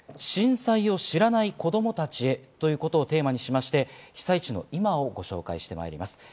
震災を知らない子どもたちへ」をテーマにしまして、被災地の今をご紹介してまいります。